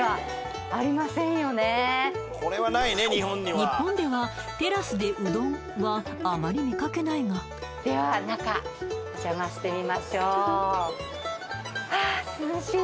日本でははあまり見かけないがでは中お邪魔してみましょうああ涼しい！